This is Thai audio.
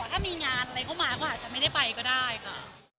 ถ้ามีงานอะไรเข้ามาก็อาจจะไม่ได้ไปก็ได้ค่ะ